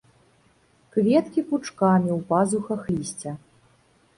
Кветкі пучкамі ў пазухах лісця.